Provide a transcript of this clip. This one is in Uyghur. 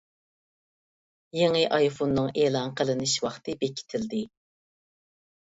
يېڭى ئايفوننىڭ ئېلان قىلىنىش ۋاقتى بېكىتىلدى.